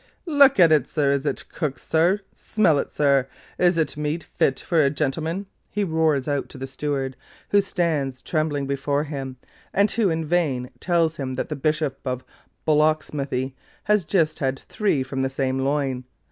'Look at it, sir! Is it cooked, sir? Smell it, sir! Is it meat fit for a gentleman?' he roars out to the steward, who stands trembling before him, and who in vain tells him that the Bishop of Bullocksmithy has just had three from the same loin.